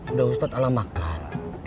udah ustad ala makan